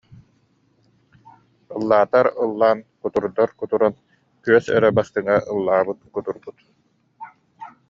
Ыллаатар-ыллаан, кутурдар кутуран күөс эрэ быстыҥа ыллаабыт-кутурбут